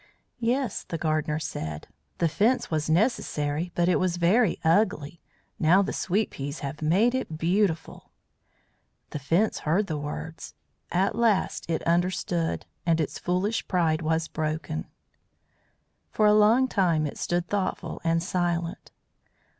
"Yes," the gardener said. "The Fence was necessary, but it was very ugly. Now the sweet peas have made it beautiful." The Fence heard the words. At last it understood, and its foolish pride was broken. For a long time it stood thoughtful and silent.